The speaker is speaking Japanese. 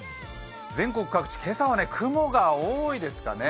全国各地、今朝は雲が多いですかね